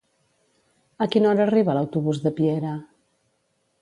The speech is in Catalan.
A quina hora arriba l'autobús de Piera?